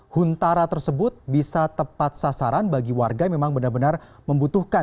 huntara tersebut bisa tepat sasaran bagi warga yang memang benar benar membutuhkan